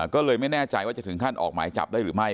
ก็เลยไม่แน่ใจว่าจะถึงขั้นออกหมายจับได้หรือไม่